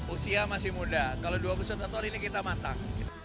usia masih muda kalau dua puluh satu tahun ini kita matang